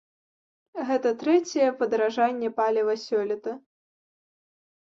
Гэта трэцяе падаражанне паліва сёлета.